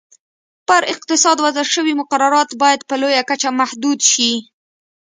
پر اقتصاد وضع شوي مقررات باید په لویه کچه محدود شي.